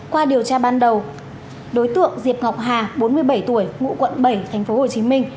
qua điều tra ban đầu đối tượng diệp ngọc hà bốn mươi bảy tuổi ngụ quận bảy thành phố hồ chí minh